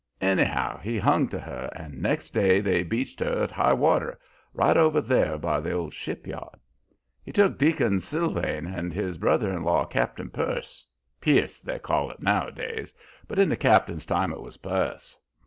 Anyhow he hung to her, and next day they beached her at high water, right over there by the old ship yard. He took Deacon S'lvine and his brother in law, Cap'n Purse Pierce they call it nowadays, but in the cap'n's time 'twas Purse.